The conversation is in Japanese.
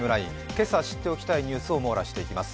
今朝、知っておきたいニュースを網羅していきます。